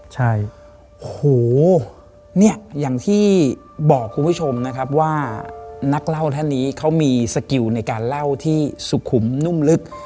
ใช่โอ้โหเนี่ยอย่างที่บอกคุณผู้ชมนะครับว่านักเล่าท่านนี้เขามีสกิลในการเล่าที่สุขุมนุ่มลึก